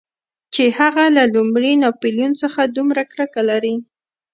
چې هغه له لومړي ناپلیون څخه دومره کرکه لري.